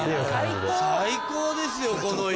最高ですよこの家。